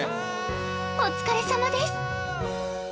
お疲れさまです！